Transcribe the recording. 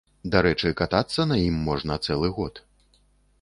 Дарэчы, катацца на ім можна цэлы год.